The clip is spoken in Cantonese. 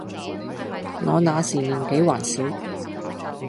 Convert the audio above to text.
我那時年紀還小，